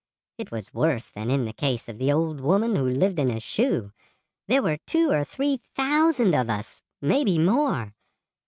It was worse than in the case of the old woman who lived in a shoe. There were two or three thousand of us—maybe more.